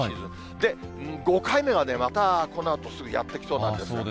で、５回目はまたこのあと、すぐやって来そうなんです。